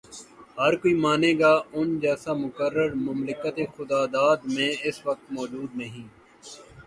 پر ہرکوئی مانے گا کہ ان جیسا مقرر مملکت خداداد میں اس وقت موجود نہیں۔